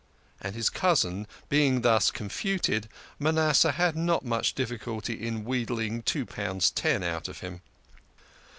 And his cousin being thus confuted, Manasseh had not much further difficulty in wheedling two pounds ten out of him.